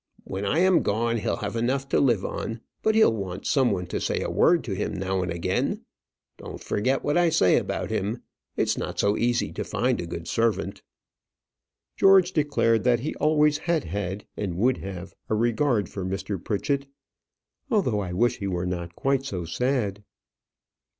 When I am gone, he'll have enough to live on; but he'll want some one to say a word to him now and again. Don't forget what I say about him. It's not so easy to find a good servant." George declared that he always had had, and would have, a regard for Mr. Pritchett; "though I wish he were not quite so sad."